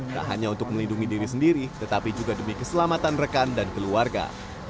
tak hanya untuk melindungi diri sendiri tetapi juga demi keselamatan rekan dan keluarga